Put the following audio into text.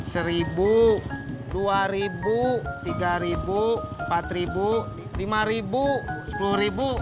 seribu dua ribu tiga ribu empat ribu lima ribu sepuluh ribu